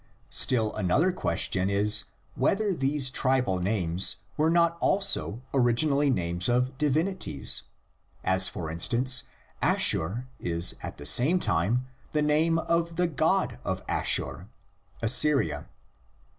Still another question is, whether these tribal names were not also originally names of divinities, as for instance Asshur is at the same time the name of the God of Asshur (Assyria).